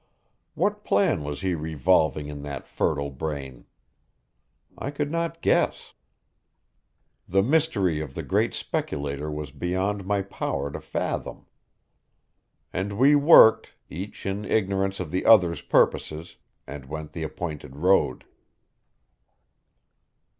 What plan was he revolving in that fertile brain? I could not guess. The mystery of the great speculator was beyond my power to fathom. And we worked, each in ignorance of the other's purposes, and went the appointed road.